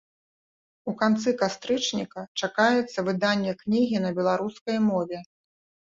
У канцы кастрычніка чакаецца выданне кнігі на беларускай мове.